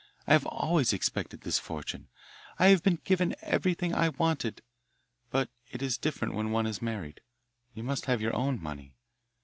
I have always expected this fortune. I have been given everything I wanted. But it is different when one is married you must have your own money.